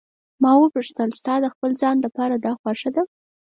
ما وپوښتل: ستا د خپل ځان لپاره دا خوښه ده.